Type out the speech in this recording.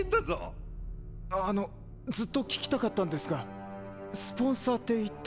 あのずっと聞きたかったんですがスポンサーって一体。